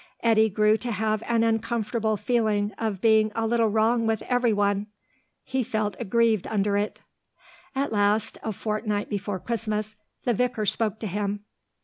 Eddy grew to have an uncomfortable feeling of being a little wrong with everyone; he felt aggrieved under it. At last, a fortnight before Christmas, the vicar spoke to him.